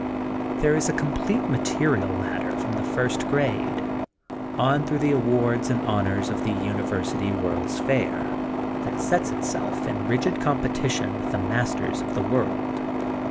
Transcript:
There is a complete material ladder from the first grade, on through the awards and honors of The University World 's Fair that sets itself in rigid competition with the masters of the world.